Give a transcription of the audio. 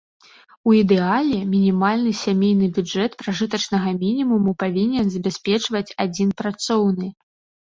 У ідэале, мінімальны сямейны бюджэт пражытачнага мінімуму павінен забяспечваць адзін працоўны.